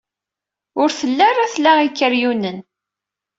Ur telli ara tla ikeryunen.